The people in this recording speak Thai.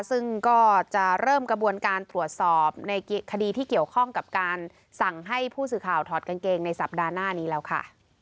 ซึ่งก็จะเริ่มกระบวนการตรวจสอบในคดีที่เกี่ยวข้องกับการสั่งให้ผู้สื่อข่าวถอดกางเกงในสัปดาห์หน้านี้แล้วค่ะ